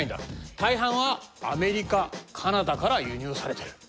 大半はアメリカカナダから輸入されてる。